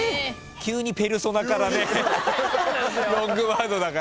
急にペルソナからねロングワードだからね。